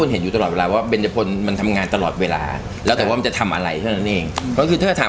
โดยรวมก็ประมาณสัก๔ชั่วโมงครับ